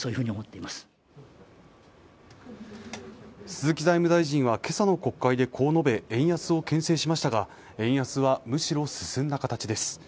鈴木財務大臣は今朝の国会でこう述べ、円安をけん制しましたが、円安はむしろ進んだ形です。